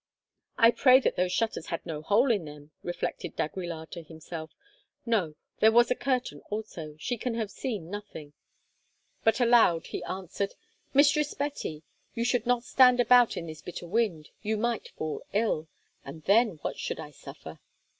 "I pray that those shutters had no hole in them," reflected d'Aguilar to himself. "No, there was a curtain also; she can have seen nothing." But aloud he answered: "Mistress Betty, you should not stand about in this bitter wind; you might fall ill, and then what should I suffer?"